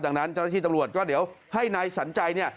ดังนั้นเจ้าหน้าที่ตำรวจก็เดี๋ยวให้นายสันใจเนี่ย